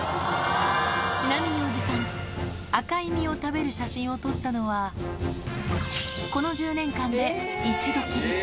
ちなみにおじさん、赤い実を食べる写真を撮ったのは、この１０年間で一度きり。